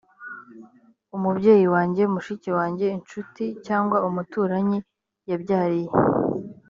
umubyeyi wanjye mushiki wanjye incuti cg umuturanyi yabyariye